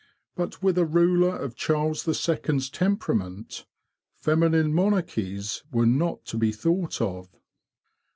But with a ruler of Charles the Second's temperament, feminine monarchies were not to be thought of.